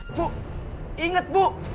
ibu inget bu